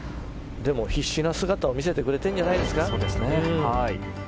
必死な姿を見せてくれているんじゃないんですか。